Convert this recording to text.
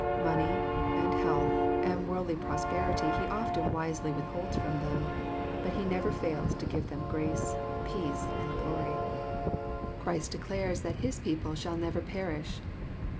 Money, and health, and worldly prosperity He often wisely withholds from them. But He never fails to give them grace, peace, and glory. JOHN, CHAP. X* 205 n Christ declares that His people " shall never perish.